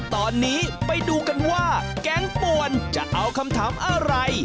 ตอนนี้ไปดูกันว่าแก๊งป่วนจะเอาคำถามอะไร